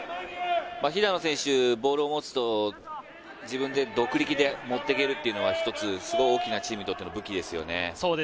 肥田野選手、ボールを持つと自分で独力で持っていけるっていうのは一つ大きなチームにとっての武器ですよね。